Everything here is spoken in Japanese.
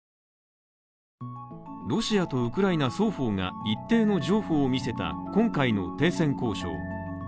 ロシアとウクライナ双方が一定の譲歩を見せた今回の停戦交渉。